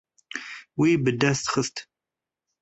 Wî bi dest xist.